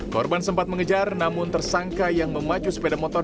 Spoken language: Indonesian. korban sempat mengejar namun tersangka yang memacu sepeda motor